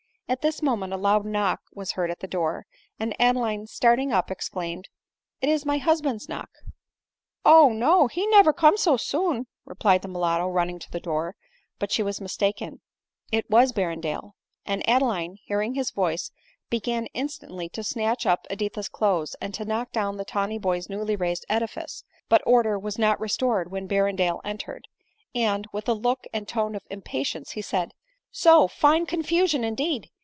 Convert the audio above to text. At this moment a loud knock was heard at the door, and Adeline, starting up, exclaimed, " If is my husband's knock !"" O ! no ;— he never come so soon," replied the mulatto running to the door ; but she was mistaken — it was Berrendale ; and Adeline, hearing his voice, began , instantly to snatch up Editha's clothes, and to knock down the tawny boy's newly raised edifice j but order was not restored when Berrendale entered ; and, with a look and tone of impatience, he said, " So ! fine confusion indeed